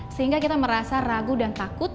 sehingga kita merasa ragu dan takut